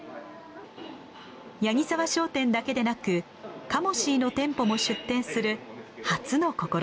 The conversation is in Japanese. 八木澤商店だけでなくカモシーの店舗も出店する初の試みです。